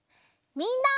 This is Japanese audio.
みんな。